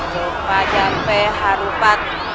coba jempeh harupan